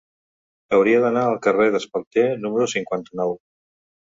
Hauria d'anar al carrer d'Espalter número cinquanta-nou.